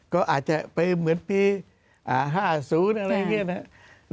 ก็อาจจะไปเหมือนปีห้าศูนย์อะไรอย่างเงี้ยนะครับ